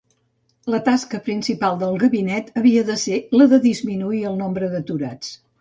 La tasca principal del gabinet havia de ser la de disminuir el nombre d'aturats.